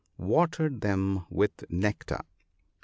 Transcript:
Watered them luith nectar.